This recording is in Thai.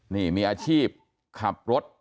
นี่มีอาชีพขับรถ